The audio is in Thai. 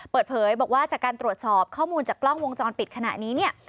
เปิดเผยบอกว่าจากการตรวจสอบข้อมูลจากกล้องวงจรปิดขณะนี้เนี่ย